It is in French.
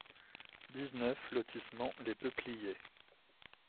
dix-neuf lotissement Les Peupliers